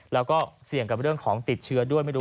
แล้วก็เสี่ยงกับเรื่องของติดเชื้อด้วยไม่รู้